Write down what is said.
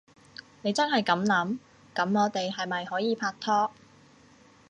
你真係噉諗？噉我哋係咪可以拍拖？